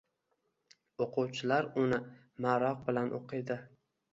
o‘quvchilar uni maroq bilan o‘qiydi.